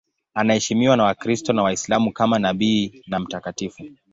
Anaheshimiwa na Wakristo na Waislamu kama nabii na mtakatifu.